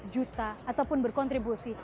juta ataupun berkontribusi